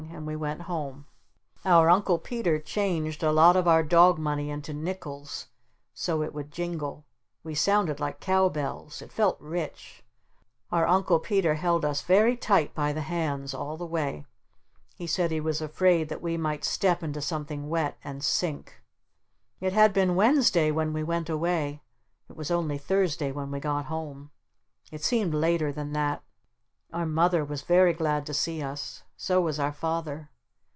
And we went home. Our Uncle Peter changed a lot of our dog money into nickles so it would jingle. We sounded like cow bells. It felt rich. Our Uncle Peter held us very tight by the hands all the way. He said he was afraid we might step into something wet and sink. It had been Wednesday when we went away. It was only Thursday when we got home. It seemed later than that. Our Mother was very glad to see us. So was our Father.